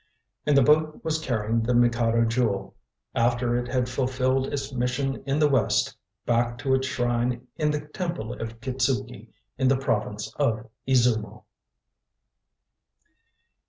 And the boat was carrying the Mikado Jewel, after it had fulfilled its mission in the West, back to its shrine in the Temple of Kitzuki, in the Province of Izumo.